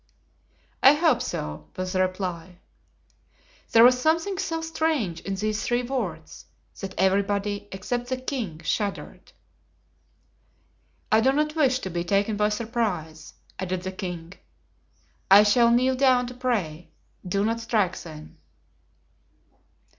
"I hope so," was the reply. There was something so strange in these three words that everybody, except the king, shuddered. "I do not wish to be taken by surprise," added the king. "I shall kneel down to pray; do not strike then."